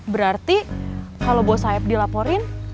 berarti kalau bos sayap dilaporin